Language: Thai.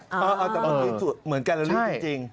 อ๋อแต่มันเหมือนแกลลอรี่จริงใช่